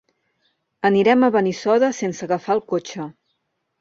Anirem a Benissoda sense agafar el cotxe.